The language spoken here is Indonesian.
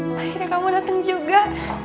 akhirnya kamu datang juga